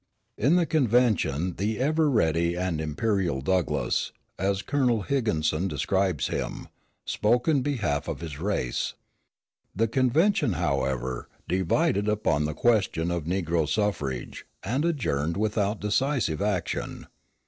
In the convention "the ever ready and imperial Douglass," as Colonel Higginson describes him, spoke in behalf of his race. The convention, however, divided upon the question of negro suffrage, and adjourned without decisive action.